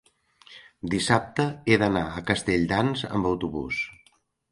dissabte he d'anar a Castelldans amb autobús.